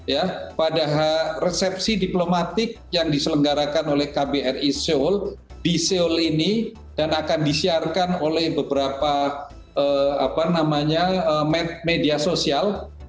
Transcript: ya pada resepsi diplomatik yang diselenggarakan oleh kbri seoul di seoul ini dan akan disiarkan oleh beberapa media sosial